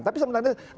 tapi sebenarnya tidak